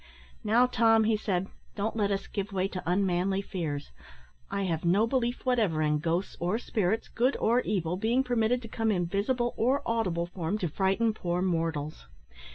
"Now, Tom," he said, "don't let us give way to unmanly fears. I have no belief whatever in ghosts or spirits, good or evil, being permitted to come in visible or audible form to frighten poor mortals.